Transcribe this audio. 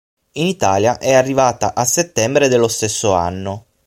In Italia è arrivata a settembre dello stesso anno.